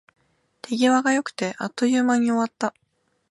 手際が良くて、あっという間に終わった